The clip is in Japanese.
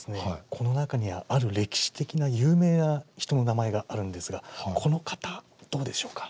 この中にはある歴史的な有名な人の名前があるんですがこの方どうでしょうか？